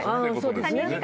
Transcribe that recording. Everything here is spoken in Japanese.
そうですね。